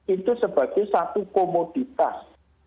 itu sebagai satu komoditas